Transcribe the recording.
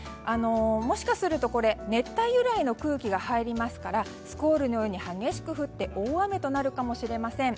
もしかすると熱帯由来の空気が入りますからスコールのように激しく降って大雨となるかもしれません。